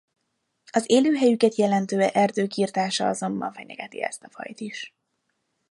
Az élőhelyüket jelentő erők irtása azonban fenyegeti ezt a fajt is.